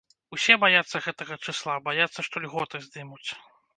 Усе баяцца гэтага чысла, баяцца, што льготы здымуць.